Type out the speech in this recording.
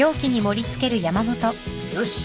よし。